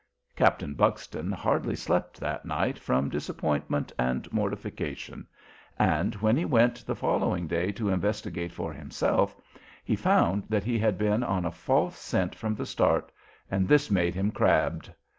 Captain Buxton hardly slept that night, from disappointment and mortification, and when he went the following day to investigate for himself he found that he had been on a false scent from the start, and this made him crabbed.